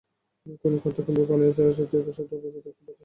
কোনো খাদ্য কিংবা পানীয় ছাড়াই সপ্তাহের পর সপ্তাহ বেঁচে থাকতে পারে সে।